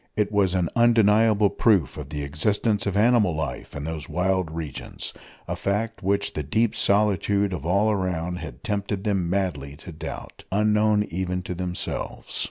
It was an undeniable proof of the existence of animal life in those wild regions, a fact which the deep solitude of all around had tempted them madly to doubt unknown even to themselves.